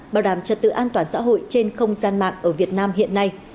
bảo đảm trật tự an toàn xã hội trên không gian mạng ở việt nam hiện nay